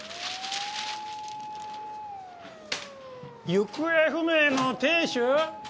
行方不明の亭主？